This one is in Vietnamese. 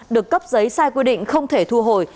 được cấp giấy sai quy định không thể thu hồi